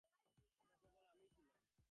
এটা কেবল আমিই ছিলাম।